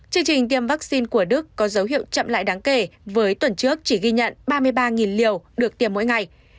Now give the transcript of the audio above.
chương trình tiêm vaccine của đức có dấu hiệu chậm lại đáng kể với tuần trước chỉ ghi nhận ba mươi ba liều được tiêm mỗi ngày